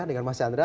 dengan mas chandra